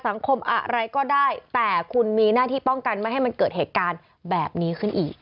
สังคมอะไรก็ได้แต่คุณมีหน้าที่ป้องกันไม่ให้มันเกิดเหตุการณ์แบบนี้ขึ้นอีก